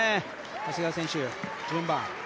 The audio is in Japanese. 長谷川選手、１４番。